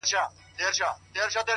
• وړونه مي ټول د ژوند پر بام ناست دي ـ